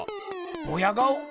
ボヤ顔？